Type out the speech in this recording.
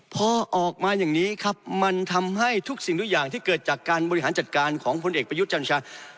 พอออกมาอย่างนี้ครับมันทำให้ทุกสิ่งทุกอย่างที่เกิดจากการบริหารจัดการของพลเอกประยุทธ์จันชา